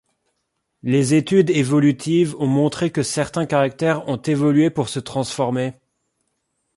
Les études évolutives ont montré que certains caractères ont évolué pour se transformer.